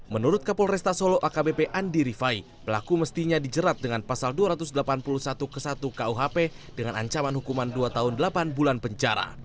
menurut kapolresta solo akbp andi rifai pelaku mestinya dijerat dengan pasal dua ratus delapan puluh satu ke satu kuhp dengan ancaman hukuman dua tahun delapan bulan penjara